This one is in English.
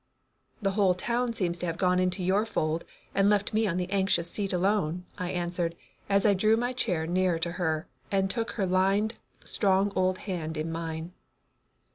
"The whole town seems to have gone into your fold and left me on the 'anxious seat' alone," I answered, as I drew my chair nearer to her and took her lined, strong old hand in mine.